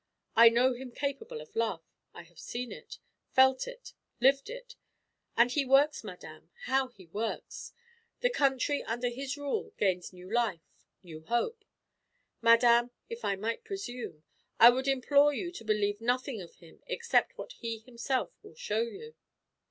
I know him capable of love; I have seen it, felt it, lived it. And he works, madame; how he works! The country under his rule gains new life, new hope. Madame, if I might presume, I would implore you to believe nothing of him except what he himself will show you."